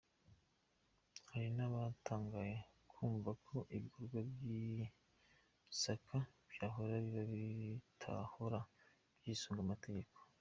Hari n'abatangaye kwumva ko ibikorwa vy'isaka vyahora biba bitahora vyisunga amategeko.